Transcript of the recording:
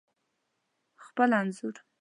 خپل انځور